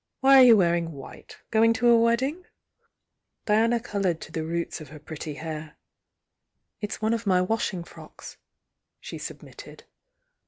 Why are you wearing white? Going to a wedding?" .^ u • Diana coloured to the roots of her Pjetty hair "It's one of my washing frocks," she submitted.